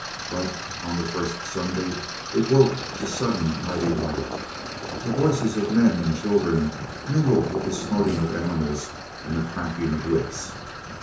But on the First Sunday it woke to sudden mighty life. The voices of men and children mingled with the snorting of animals and the cracking of whips.